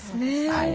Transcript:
はい。